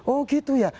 oh gitu ya